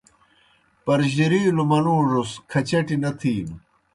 پرجِرِیلوْ منُوڙوْس کھچٹیْ نہ تِھینوْ۔